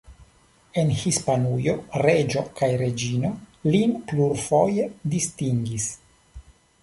En Hispanujo reĝo kaj reĝino lin plurfoje distingis.